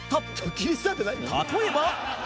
例えば